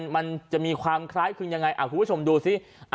มันจะมีความคล้ายคลึงยังไงคุณผู้ชมดูสิ